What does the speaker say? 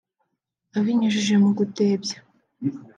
Abinyujije mu gutebya